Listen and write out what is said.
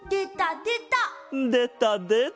でたでた！